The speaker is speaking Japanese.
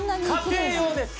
家庭用です